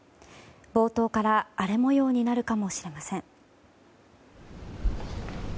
冒頭から荒れ模様になるかもしれません。